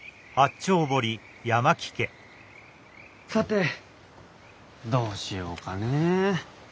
さてどうしようかねえ。